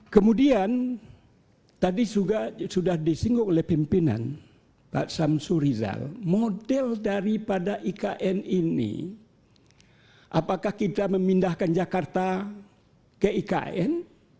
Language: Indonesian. kemudian tadi juga sudah disinggung oleh pimpinan pak samsur rizal model daripada ikn ini apakah kita memindahkan jakarta ke ikn